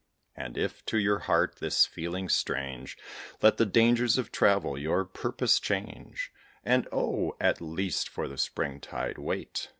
And if to your heart this feeling's strange, Let the dangers of travel your purpose change, And, oh, at least for the spring tide wait!